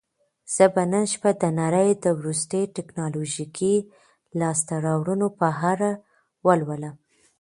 زه به نن شپه د نړۍ د وروستیو ټیکنالوژیکي لاسته راوړنو په اړه ولولم.